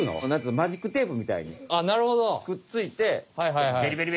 マジックテープみたいにくっついてベリベリベリ。